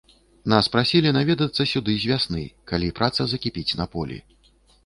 Нас прасілі наведацца сюды з вясны, калі праца закіпіць на полі.